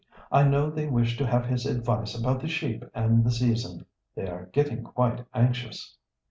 "I know they wish to have his advice about the sheep and the season. They are getting quite anxious."